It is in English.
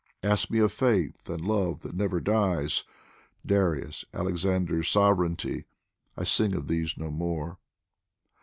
Ask me of faith and love that never dies ; Darius, Alexander's sovereignty, I sing of these no more.